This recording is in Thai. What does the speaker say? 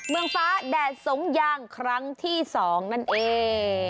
เมืองฟ้าแดดสงยางครั้งที่๒นั่นเอง